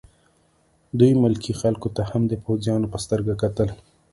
دوی ملکي خلکو ته هم د پوځیانو په سترګه کتل